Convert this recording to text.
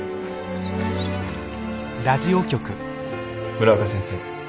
村岡先生。